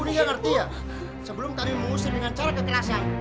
ibu ini gak ngerti ya sebelum tadi mengusir dengan cara kekerasan